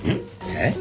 えっ！